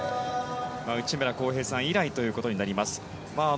内村航平さん以来ということになります。